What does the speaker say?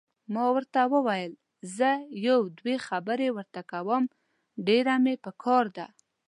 ما ورته وویل: زه یو دوې خبرې ورته کوم، ډېره مې پکار ده.